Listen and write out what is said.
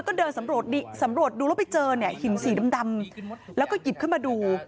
ก็เดินสำรวจดูแล้วไปเจอเนี่ยหินสีดำแล้วก็หยิบขึ้นมาดู